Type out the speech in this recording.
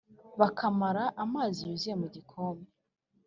Bakamara amazi yuzuye mu gikombe